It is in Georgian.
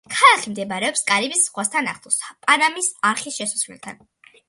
ქალაქი მდებარეობს კარიბის ზღვასთან ახლოს, პანამის არხის შესასვლელთან.